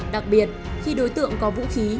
đặc biệt khi đối tượng có vũ khí